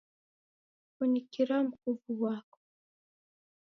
Funikira mkuvu ghwako.